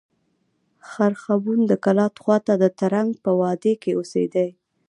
خرښبون د کلات خوا ته د ترنک په وادي کښي اوسېدئ.